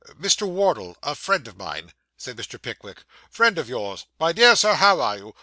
'Mr. Wardle a friend of mine,' said Mr. Pickwick. 'Friend of yours! My dear sir, how are you?